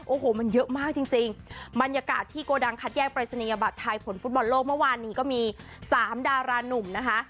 โอ้โหมันเยอะมากจริงจริงบรรยากาศที่โกดังคัดแยกปรายศนียบัตรไทยผลฟุตบอลโลกเมื่อวานนี้ก็มีสามดารานุ่มนะคะ